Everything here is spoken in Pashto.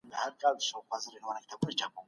عدم باور څنګه رامنځته کیږي؟